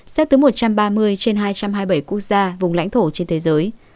xếp thứ một trăm ba mươi trên hai trăm hai mươi bảy quốc gia vùng lãnh thổ trên thế giới